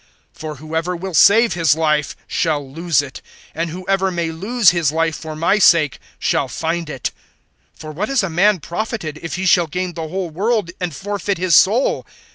(25)For whoever will save his life shall lose it; and whoever may lose his life for my sake, shall find it. (26)For what is a man profited, if he shall gain the whole world, and forfeit his soul?